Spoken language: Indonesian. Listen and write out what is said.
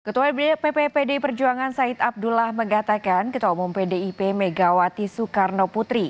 ketua pp pdi perjuangan said abdullah mengatakan ketua umum pdip megawati soekarno putri